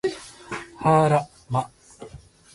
はあら、ま